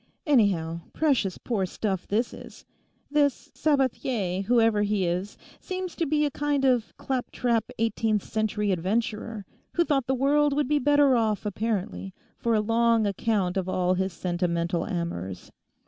Anyhow, precious poor stuff this is. This Sabathier, whoever he is, seems to be a kind of clap trap eighteenth century adventurer who thought the world would be better off, apparently, for a long account of all his sentimental amours.